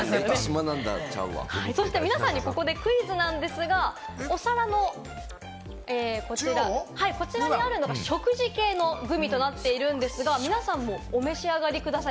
皆さんにここでクイズなんですが、お皿の中央にあるのは食事系のグミとなっているんですが、皆さんもお召し上がりください。